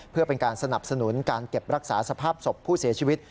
เพื่อเป็นการสนับสนุนการเก็บรักษาสภาพศพผู้เสียชีวิต